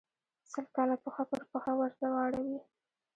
سل کاله پښه پر پښه ورته واړوي.